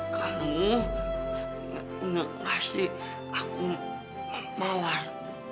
kamu gak ngasih aku mawar